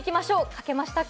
書けましたか？